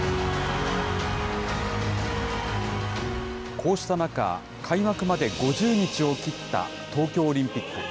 こうした中、開幕まで５０日を切った東京オリンピック。